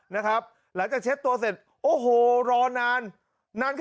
นะครับหลังจากเช็ดตัวเสร็จโอ้โหรอนานนานแค่